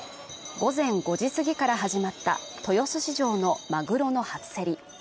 午前５時過ぎから始まった豊洲市場のマグロの初競り